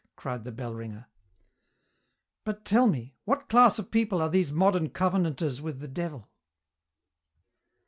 cried the bell ringer. "But tell me, what class of people are these modern covenanters with the Devil?"